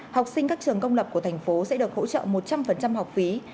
học sinh các trường công lập của thành phố sẽ được hỗ trợ một trăm linh học phí